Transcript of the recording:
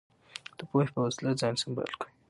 د پوهې په وسله ځان سمبال کړئ.